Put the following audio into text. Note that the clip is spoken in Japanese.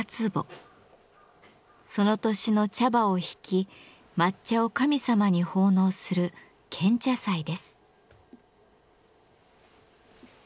その年の茶葉をひき抹茶を神様に奉納する「献茶祭」です。